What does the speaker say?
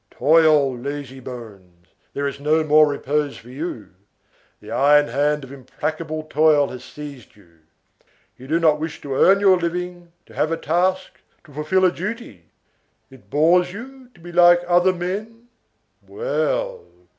Toil, lazybones! there is no more repose for you! The iron hand of implacable toil has seized you. You do not wish to earn your living, to have a task, to fulfil a duty! It bores you to be like other men? Well!